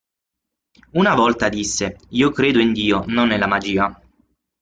Una volta disse: "Io credo in Dio, non nella magia".